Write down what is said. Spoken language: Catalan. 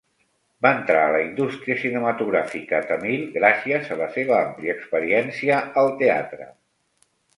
Va entrar a la indústria cinematogràfica tamil gràcies a la seva àmplia experiència al teatre.